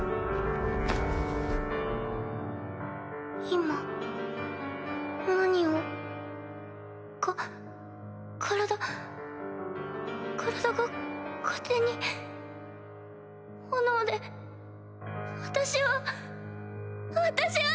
今何をか体体が勝手に炎で私は私は！